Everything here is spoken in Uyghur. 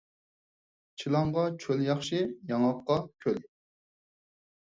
چىلانغا چۆل ياخشى، ياڭاققا كۆل